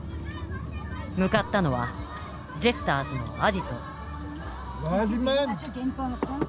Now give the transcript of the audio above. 向かったのはジェスターズのアジト。